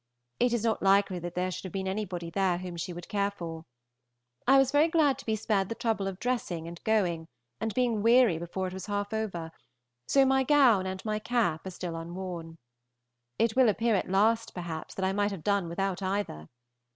It is not likely that there should have been anybody there whom she would care for. I was very glad to be spared the trouble of dressing and going, and being weary before it was half over; so my gown and my cap are still unworn. It will appear at last, perhaps, that I might have done without either.